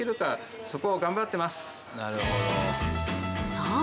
そう！